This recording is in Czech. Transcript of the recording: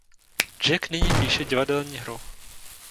Jack nyní píše divadelní hru.